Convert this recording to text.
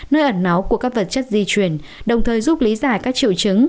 nơi ẩn náu của các vật chất di chuyển đồng thời giúp lý giải các triệu chứng